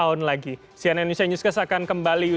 untuk berita terbaru